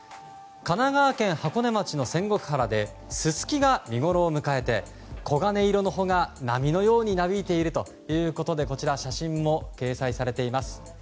神奈川県箱根町の仙石原でススキが見ごろを迎えて黄金色の穂が波のようになびいているということで写真も掲載されています。